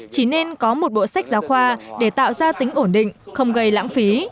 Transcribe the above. chỉ nên có một bộ sách giáo khoa để tạo ra tính ổn định không gây lãng phí